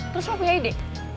terus lo punya ide